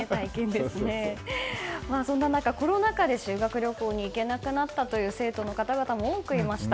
そんな中、コロナ禍で修学旅行に行けなくなった生徒の方々も多くいました。